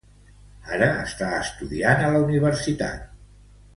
Ara, està estudiant a la universitat.